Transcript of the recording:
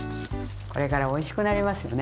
これからおいしくなりますよね。